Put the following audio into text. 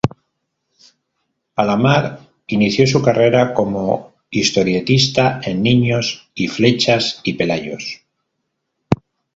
Alamar inició su carrera como historietista en "Niños" y "Flechas y Pelayos".